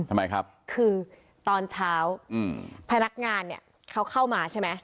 ทำไมครับคือตอนเช้าอืมพนักงานเนี่ยเขาเข้ามาใช่ไหม